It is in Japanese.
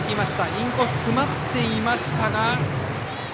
インコース、詰まっていましたが。